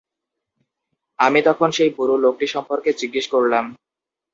আমি তখন সেই বুড়ো লোকটি সম্পর্কে জিজ্ঞেস করলাম।